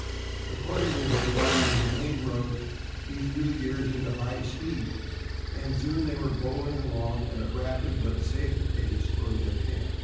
Accordingly, when he got on to the main road, he threw the gears into high speed, and soon they were bowling along at a rapid, but safe, pace toward their camp.